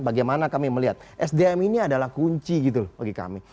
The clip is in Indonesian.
bagaimana kami melihat sdm ini adalah kunci gitu bagi kami